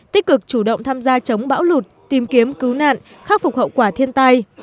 tích cực chủ động tham gia chống bão lụt tìm kiếm cứu nạn khắc phục hậu quả thiên tai